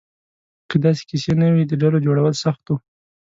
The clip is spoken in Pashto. که داسې کیسې نه وې، د ډلو جوړول سخت وو.